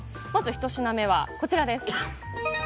まず、ひと品目はこちらです。